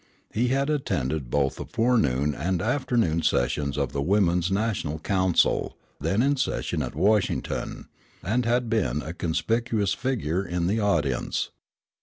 He had attended both the forenoon and afternoon sessions of the Women's National Council, then in session at Washington, and had been a conspicuous figure in the audience.